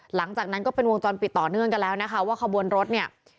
หลังจากนั้นก็เป็นวงจรปิดต่อเนื่องกันแล้วนะคะว่าขบวนรถเนี่ย